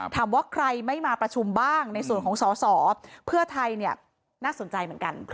ถามว่าใครไม่มาประชุมบ้างในส่วนของสอสอเพื่อไทยเนี่ยน่าสนใจเหมือนกัน